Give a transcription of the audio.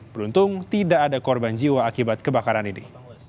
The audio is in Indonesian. beruntung tidak ada korban jiwa akibat kebakaran ini